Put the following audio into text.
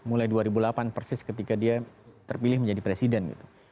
mulai dua ribu delapan persis ketika dia terpilih menjadi presiden gitu